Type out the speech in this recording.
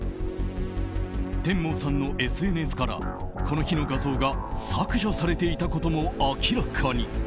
テンモーさんのＳＮＳからこの日の画像が削除されていたことも明らかに。